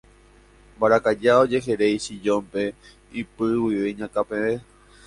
mbarakaja ojeheréi sillón-pe ipy guive iñakã peve